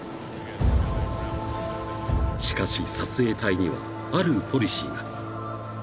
［しかし撮影隊にはあるポリシーが］